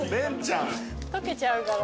溶けちゃうから。